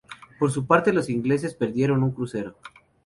Por su parte los ingleses perdieron un crucero.